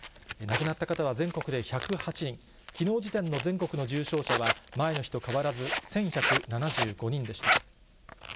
亡くなった方は全国で１０８人、きのう時点の全国の重症者は前の日と変わらず、１１７５人でした。